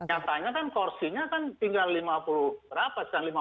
nyatanya kan kursinya kan tinggal lima puluh berapa lima puluh empat